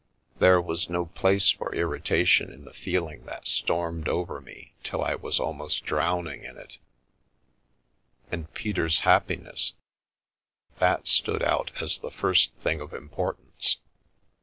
There was no place for irritation in the feeling that stormed over me till I was almost drowning in it And Peter's happiness — that stood out as the first thing of importance.